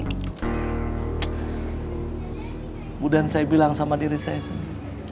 kemudian saya bilang sama diri saya sendiri